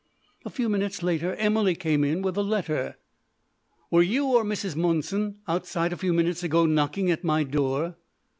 A few minutes later Emily came in with a letter. "Were you or Mrs. Monson outside a few minutes ago knocking at my door?"